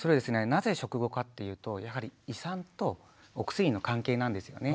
なぜ食後かっていうとやはり胃酸とお薬の関係なんですよね。